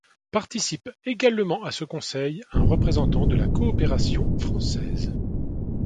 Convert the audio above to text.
Participe également à ce conseil un représentant de la coopération française.